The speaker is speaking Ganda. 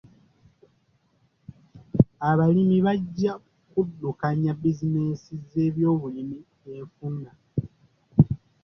Abalimi bajja kuddukanya bizinensi y'ebyobulimi efuna.